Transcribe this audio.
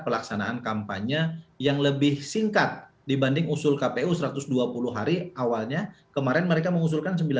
pelaksanaan kampanye yang lebih singkat dibanding usul kpu satu ratus dua puluh hari awalnya kemarin mereka mengusulkan